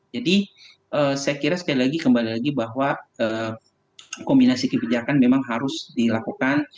jadi saya kira sekali lagi kembali lagi bahwa kombinasi kebijakan memang harus dilakukan